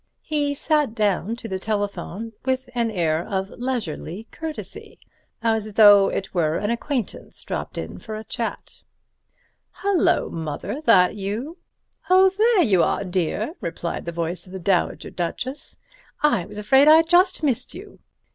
He sat down to the telephone with an air of leisurely courtesy, as though it were an acquaintance dropped in for a chat. "Hullo, Mother—that you?" "Oh, there you are, dear," replied the voice of the Dowager Duchess. "I was afraid I'd just missed you."